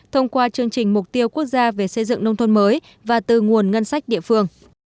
thông qua chương trình mục tiêu quốc gia về xây dựng nông thôn mới và từ nguồn ngân sách địa phương